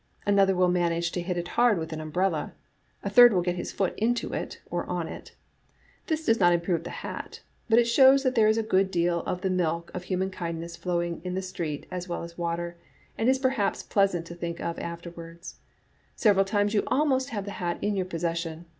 Another will manage to hit it hard with an umbrella. A third will get his foot into it or on it. This does not improve the hat, but it shows that there is a good deal of the milk of human kindness flowing in the street as well as water, and is perhaps pleasant to think of afterward. Several times you almost have the hat in your possession.